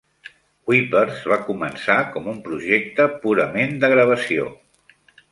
Wipers va començar com un projecte purament de gravació.